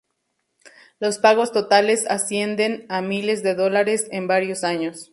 Los pagos totales ascienden a miles de dólares en varios años.